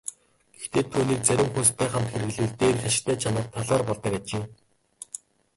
Гэхдээ түүнийг зарим хүнстэй хамт хэрэглэвэл дээрх ашигтай чанар талаар болдог ажээ.